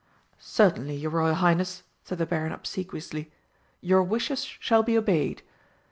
"Certainly, your Royal Highness," said the Baron obsequiously, "your wishes shall be obeyed....